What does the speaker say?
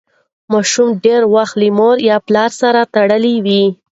ماشوم ډېر وخت له مور یا پلار سره تړلی وي.